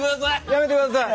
やめてください。